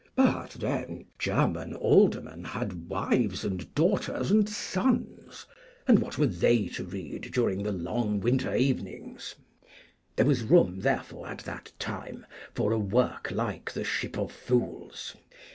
But then German aldermen had wives and daughters and sons, and what were they to read during the long winter evenings?... There was room therefore at that time for a work like the 'Ship of Fools.'